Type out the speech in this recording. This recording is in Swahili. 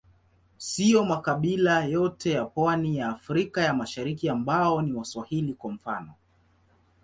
Siyo makabila yote ya pwani ya Afrika ya Mashariki ambao ni Waswahili, kwa mfano.